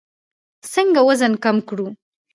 څنګه وزن کم کړو؟